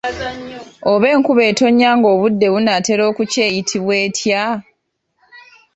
Oba enkuba etonnya ng’obudde bunaatera okukya eyitibwa etya?